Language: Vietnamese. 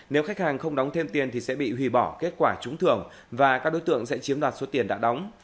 nếu khách hàng không đóng thêm tiền thì sẽ bị hủy bỏ kết quả trúng thưởng và các đối tượng sẽ chiếm đoạt số tiền đã đóng